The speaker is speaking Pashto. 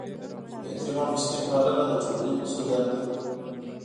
د یتیم او مسکین پالنه د ټولنې مسؤلیت دی.